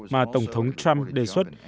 mà tổng thống trump đề xuất